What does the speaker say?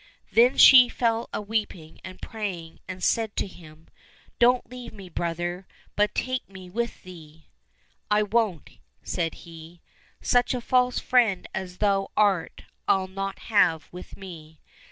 " Then she fell a weeping and praying, and said to him, " Don't leave me, brother, but take me with thee." —" I won't," said he ;" such a false friend as thou art I'll not have with me.